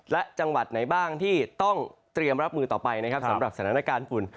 และจังหวัดไหนบ้างที่ต้องเตรียมรับมือต่อไปสำหรับสัญลักษณะการฝุ่น